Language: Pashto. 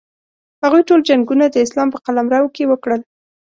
هغوی ټول جنګونه د اسلام په قلمرو کې وکړل.